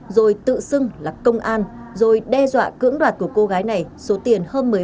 rồi tự xưng là công an rồi đe dọa cưỡng đoạt của cô gái này số tiền hơn một mươi ba